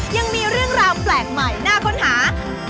ยังมีเรื่องราวแปลกใหม่น่าค้นหา